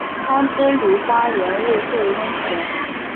汤之旅花莲瑞穗温泉